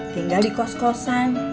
tinggal di kos kosan